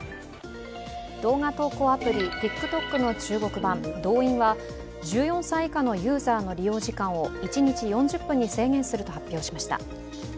動画投稿アプリ、ＴｉｋＴｏｋの中国版ドウインは１４歳以下のユーザーの利用時間を一日４０分に制限すると発表しました。